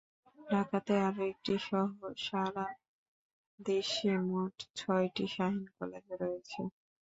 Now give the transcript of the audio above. ঢাকাতে আরও একটি সহ সারা দেশে মোট ছয়টি শাহীন কলেজ রয়েছে।